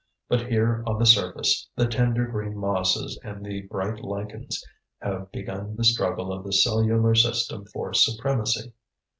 But here on the surface, the tender green mosses and the bright lichens have begun the struggle of the cellular system for supremacy.